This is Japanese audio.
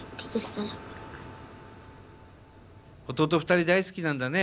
２人大好きなんだね。